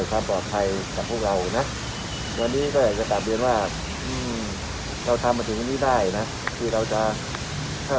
ใช่ไหมแต่ตอนทีมันก็หลุดลอดไปมากคนมันจำนวนมากอ่ะนะ